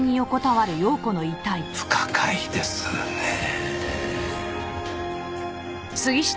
不可解ですねぇ。